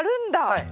はい。